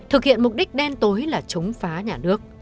thực hiện mục đích đen tối là chống phá nhà nước